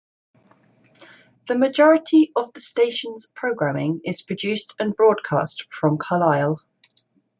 The majority of the station's programming is produced and broadcast from Carlisle.